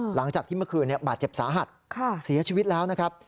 หลังจากที่เมื่อคืนบาดเจ็บสาหัสเสียชีวิตแล้วนะครับ